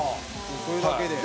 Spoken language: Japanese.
これだけで？